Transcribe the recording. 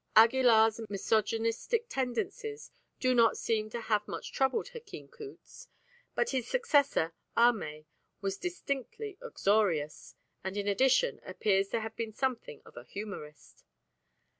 Aguilar's misogynistic tendencies do not seem to have much troubled Hkin Cutz; but his successor Ahmay was distinctly uxorious, and in addition appears to have been something of a humorist.